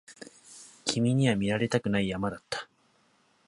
君には見られたくない山だった